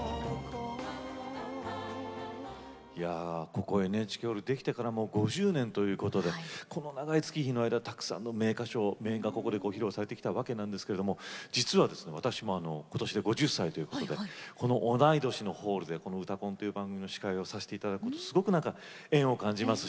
ここＮＨＫホールできてから５０年ということでこの長い月日の間たくさんの名歌唱歌が披露されてきたわけですけれど実は私もことしで５０歳ということで同い年のホールでこの「うたコン」という番組の司会をさせていただくことに縁を感じています。